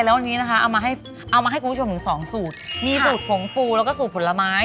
แล้ววันนี้นะคะเอามาให้เอามาให้คุณผู้ชมถึงสองสูตรมีสูตรผงฟูแล้วก็สูตรผลไม้